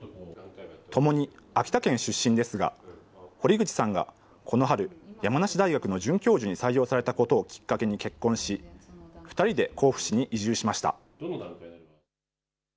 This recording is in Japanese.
ともに秋田県出身ですが、堀口さんがこの春、山梨大学の准教授に採用されたことをきっかけに結婚し、２人で甲府市に移住しました。